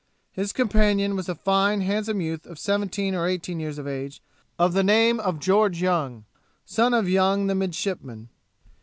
His companion was a fine handsome youth of seventeen or eighteen years of age, of the name of George Young, son of Young the midshipman.